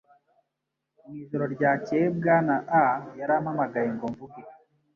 Mu ijoro ryakeye Bwana A yarampamagaye ngo mvuge